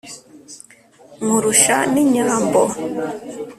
Nkurusha n'inyambo,